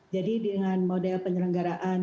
jadi dengan model penyelenggaraan